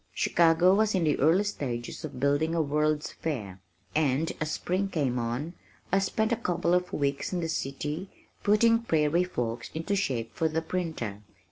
Chicago was in the early stages of building a World's Fair, and as spring came on I spent a couple of weeks in the city putting Prairie Folks into shape for the printer.